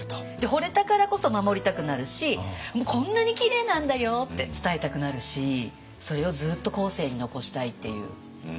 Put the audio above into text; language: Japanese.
ほれたからこそ守りたくなるし「こんなにきれいなんだよ！」って伝えたくなるしそれをずっと後世に残したいっていう。